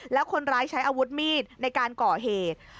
แล้วคนร้ายใช้อาวุธมีดในการก่อเหตุ